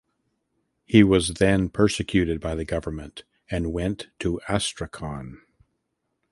He was then persecuted by the government and went to Astrakhan.